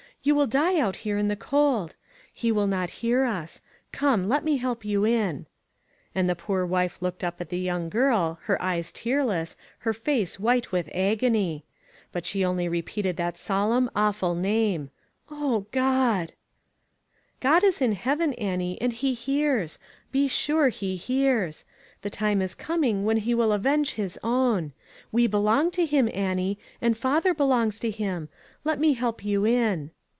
You .will die out here in the cold. He will not 482 ONE COMMONPLACE DAY. hear us. Come, let me help you in ;" and the poor wife looked up at the young girl, her eyes tearless, her face white with ago ny; but she only repeated that solemn, awful name, "O God I" "God is in heaven, Annie, and he hears; be sure he hears. The time is coming when he will avenge his own. We belong to him, Annie, and father belongs to him. Let me help you in."